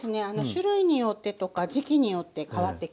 種類によってとか時期によってかわってきます。